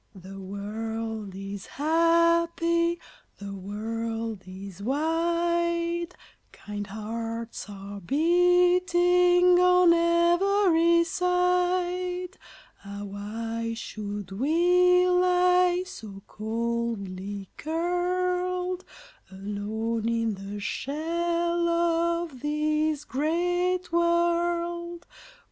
The world is happy, the world is wide, Kind hearts are beating on every side; Ah, why should we lie so coldly curled Alone in the shell of this great world?